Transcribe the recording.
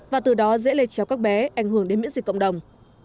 và từ đó dễ lây chéo các bé ảnh hưởng đến miễn dịch cộng đồng